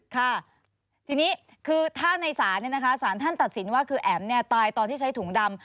ค่ะทีนี้คือถ้าในศาลสารท่านตัดสินว่าคือแอ๋มตายตอนที่ใช้ถุงดำ